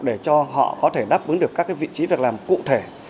để cho họ có thể đáp ứng được các vị trí việc làm cụ thể